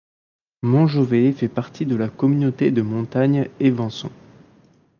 Montjovet fait partie de la communauté de montagne Évançon.